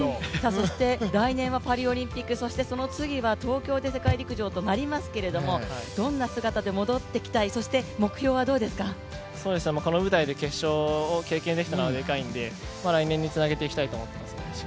そして来年はパリオリンピック、その次は東京で世界陸上となりますけれどもどんな姿で戻ってきたい、この舞台で決勝に行けたのは大きいので、しっかり来年につなげていきたいと思っています。